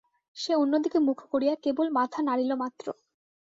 সে অন্য দিকে মুখ করিয়া কেবল মাথা নাড়িল মাত্র।